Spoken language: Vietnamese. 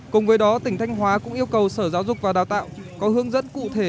cùng với đó tỉnh thanh hóa cũng yêu cầu sở giáo dục và đào tạo có hướng dẫn cụ thể